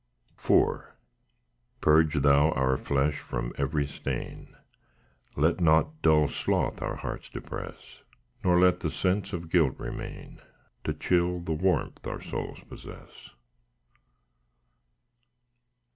IV Purge Thou our flesh from every stain, Let not dull sloth our hearts depress; Nor let the sense of guilt remain, To chill the warmth our souls possess.